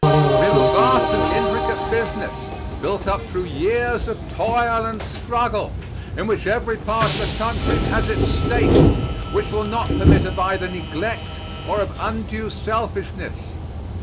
We have a vast and intricate business, built up through years of toil and struggle in which every part of the country has its stake, which will not permit of either neglect or of undue selfishness.